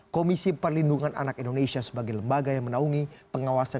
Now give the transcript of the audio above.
komisi perlindungan anak indonesia sebagai lembaga yang menaungi pengawasan